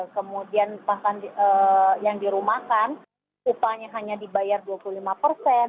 kemudian bahkan yang dirumahkan upahnya hanya dibayar dua puluh lima persen